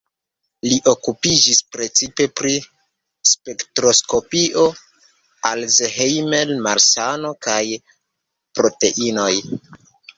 Li okupiĝis precipe pri spektroskopio, Alzheimer-malsano kaj proteinoj.